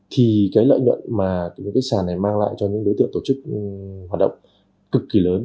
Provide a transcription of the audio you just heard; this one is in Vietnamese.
thì lợi nhuận mà sàn này mang lại cho những đối tượng tổ chức hoạt động cực kỳ lớn